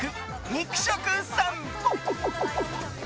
肉食さんぽ。